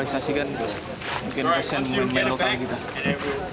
sebenarnya kalau naturalisasi kan mungkin persen memainkan lokal gitu